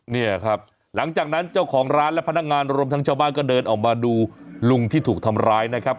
เนี่ยครับหลังจากนั้นเจ้าของร้านและพนักงานรวมทั้งชาวบ้านก็เดินออกมาดูลุงที่ถูกทำร้ายนะครับ